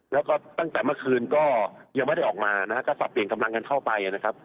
แล้วก็ตั้งแต่เมื่อคืนก็ยังไม่ได้ออกมานะฮะก็สับเปลี่ยนกำลังกันเข้าไปนะครับ